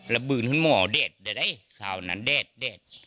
แล้วบื่นขึ้นหม่อเด็ดเด็ดข้าวนั้นเด็ดเด็ด